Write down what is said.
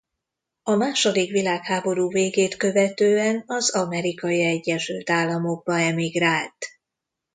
A második világháború végét követően az Amerikai Egyesült Államokba emigrált.